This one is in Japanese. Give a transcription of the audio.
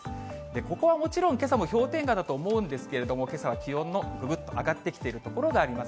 ここはもちろん、けさも氷点下だと思うんですけれども、けさは気温のぐぐっと上がってきている所があります。